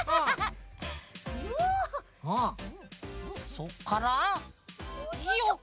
そっからよっ！